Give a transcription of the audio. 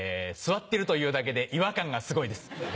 座ってるというだけで違和感がすごいです。